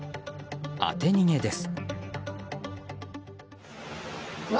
当て逃げです。